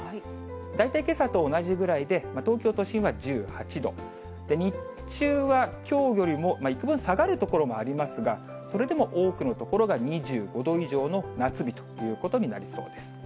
大体けさと同じぐらいで、東京都心は１８度。、日中はきょうよりもいくぶん下がる所もありますが、それでも多くの所が２５度以上の夏日ということになりそうです。